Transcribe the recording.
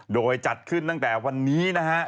โดยจัดขึ้นตั้งแต่วันนี้นะฮะ